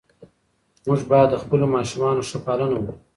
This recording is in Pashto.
موږ باید د خپلو ماشومانو ښه پالنه وکړو.